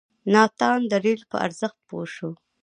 ناتان د رېل په ارزښت پوه شو.